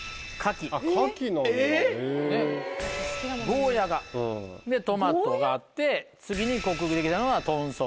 ゴーヤがでトマトがあって次に克服できたのが豚足。